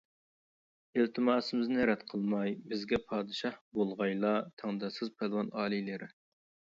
ئىلتىماسىمىزنى رەت قىلماي بىزگە پادىشاھ بولغايلا تەڭداشسىز پالۋان ئالىيلىرى.